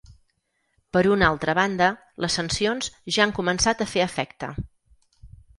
Per una altra banda, les sancions ja han començat a fer efecte.